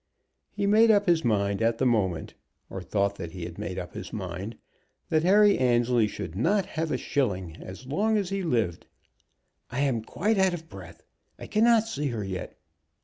He made up his mind at the moment, or thought that he had made up his mind, that Harry Annesley should not have a shilling as long as he lived. "I am quite out of breath. I cannot see her yet.